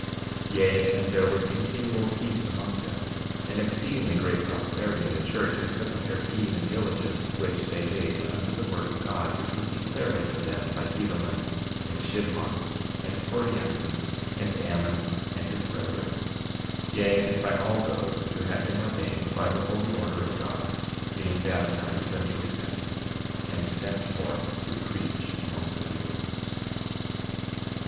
49:30 Yea, and there was continual peace among them, and exceedingly great prosperity in the church because of their heed and diligence which they gave unto the word of God, which was declared unto them by Helaman, and Shiblon, and Corianton, and Ammon and his brethren, yea, and by all those who had been ordained by the holy order of God, being baptized unto repentance, and sent forth to preach among the people.